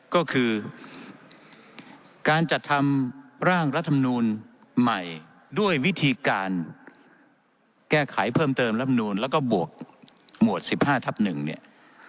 ก็คือการจัดทำร่างรัฐมนูลใหม่ด้วยวิธีการแก้ไขเพิ่มเติมลำนูนแล้วก็บวกหมวด๑๕ทับ๑เนี่ย